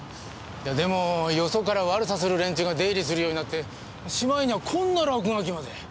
でもよそから悪さする連中が出入りするようになってしまいにはこんな落書きまで。